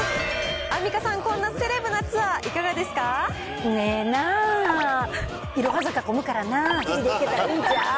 アンミカさん、こんなセレブなツええなー、いろは坂混むからな、ヘリで行けたらいいじゃん。